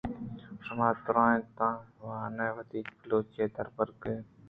شُما درونتاں وانان ءَ وت بلوچی دربر اِت